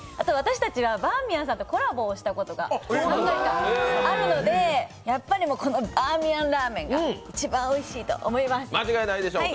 あと、私たちはバーミヤンさんとコラボをしたことがあるので、やっぱり、バーミヤンラーメンが一番おいしいと思います。